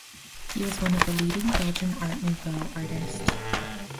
He was one of the leading Belgian Art Nouveau artists.